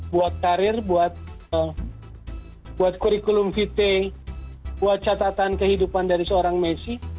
buat karir buat kurikulum vt buat catatan kehidupan dari seorang messi